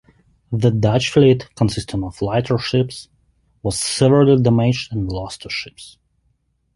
The Dutch fleet, consisting of lighter ships, was severely damaged and lost two ships.